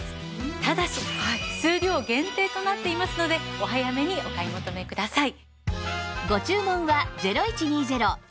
ただし数量限定となっていますのでお早めにお買い求めください。